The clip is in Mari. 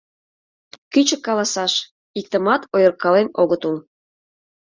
Кӱчык каласаш: иктымат ойыркален огыт ул.